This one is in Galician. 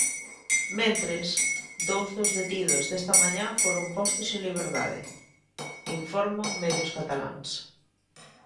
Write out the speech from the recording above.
Mentres, dous dos detidos desta mañá foron postos en liberdade, informan medios cataláns.